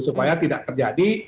supaya tidak terjadi